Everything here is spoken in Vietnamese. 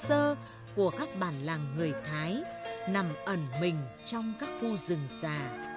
các khu rừng nguyên sơ của các bản làng người thái nằm ẩn mình trong các khu rừng già